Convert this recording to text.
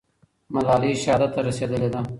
ملالۍ شهادت ته رسېدلې ده.